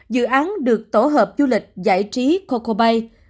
dự án được tổ hợp du lịch giải trí coco bay